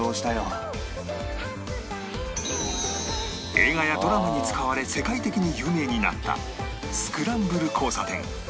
映画やドラマに使われ世界的に有名になったスクランブル交差点